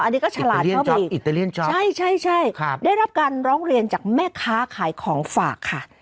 อันนี้ก็ฉลาดเข้ามาอิตาเลียนใช่ใช่ได้รับการร้องเรียนจากแม่ค้าขายของฝากค่ะ